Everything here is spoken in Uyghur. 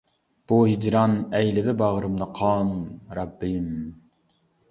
بۇ ھىجران ئەيلىدى باغرىمنى قان رەببىم.